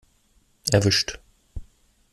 Erwischt!